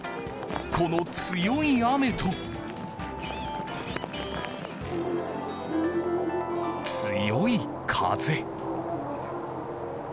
この強い雨と強い風。